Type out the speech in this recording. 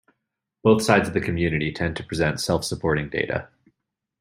Both sides of the community tend to present self-supporting data.